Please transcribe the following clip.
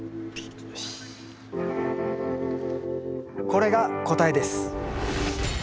これが答えです。